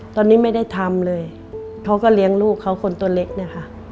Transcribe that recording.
ตอนนี้ไม่ได้ทำเลยเขาก็เลี้ยงลูกเขาคนตัวเล็กเนี่ยค่ะ